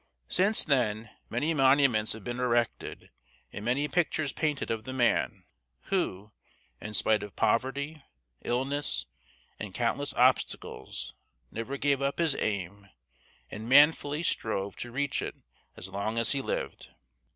Since then, many monuments have been erected and many pictures painted of the man who, in spite of poverty, illness, and countless obstacles, never gave up his aim, and manfully strove to reach it as long as he lived.